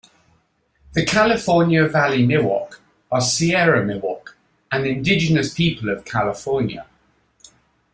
The California Valley Miwok are Sierra Miwok, an indigenous people of California.